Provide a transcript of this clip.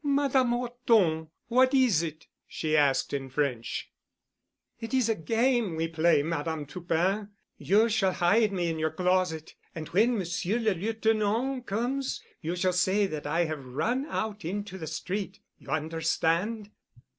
"Madame Horton, what is it?" she asked in French. "It is a game we play, Madame Toupin. You shall hide me in your closet. And when Monsieur le Lieutenant comes you shall say that I have run out into the street. You understand?"